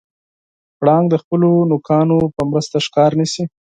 پړانګ د خپلو نوکانو په مرسته ښکار نیسي.